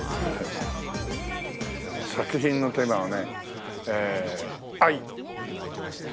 作品のテーマはね愛。